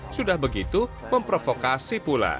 sudah begitu memprovokasi pula